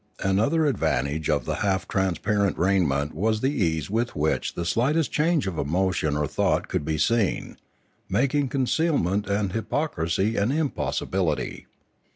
Another advantage of the half transparent raiment was the ease with which the slightest change of emotion or thought could be seen, making concealment and hypo crisy an impossibility.